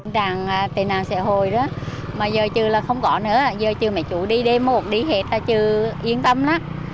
đang tên hàng xã hội đó mà giờ trừ là không có nữa giờ trừ mẹ chủ đi đêm một đi hết là trừ yên tâm lắm